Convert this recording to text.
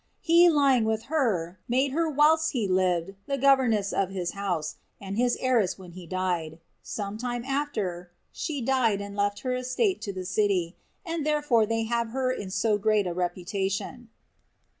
He lying with her made her whilst he lived the governess of his house, and his heiress when he died ; some time after, she died and left her estate to the city, and therefore they have her in so great a reputation.